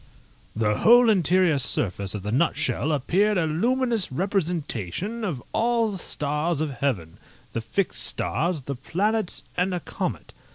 The whole interior surface of the nutshell appeared a luminous representation of all the stars of heaven, the fixed stars, the planets, and a comet.